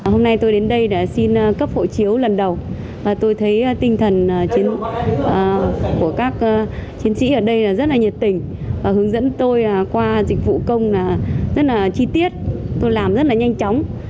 hôm nay tôi đến đây để xin cấp hộ chiếu lần đầu và tôi thấy tinh thần của các chiến sĩ ở đây rất là nhiệt tình và hướng dẫn tôi qua dịch vụ công rất là chi tiết tôi làm rất là nhanh chóng